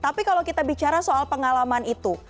tapi kalau kita bicara soal pengalaman itu